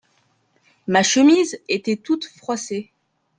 Ma chemise était toute froissée.